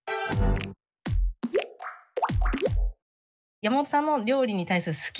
山本さんの料理に対する好き